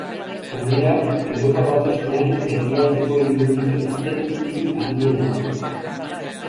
Gainera Europar Batasunean, herrialdeko hiribururik ez den hiri handiena da.